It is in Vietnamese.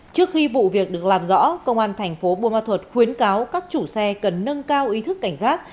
trước khi vụ việc được làm rõ công an thành phố buôn ma thuật khuyến cáo các chủ xe cần nâng cao ý thức cảnh giác